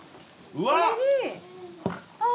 うわっ！